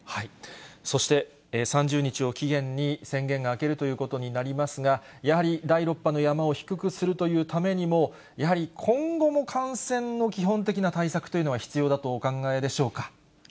そして、３０日を期限に宣言が明けるということになりますが、やはり第６波の山を低くするというためにも、やはり今後も感染の基本的な対策というのは必要だとお考えでしょうか。